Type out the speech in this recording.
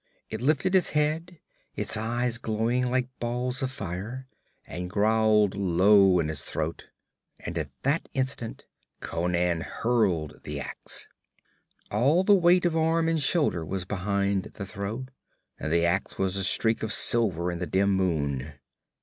It lifted its head, its eyes glowing like balls of fire, and growled low in its throat. And at that instant Conan hurled the ax. All the weight of arm and shoulder was behind the throw, and the ax was a streak of silver in the dim moon.